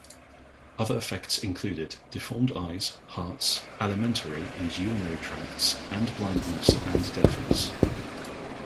Other effects included: deformed eyes, hearts, alimentary, and urinary tracts, and blindness and deafness.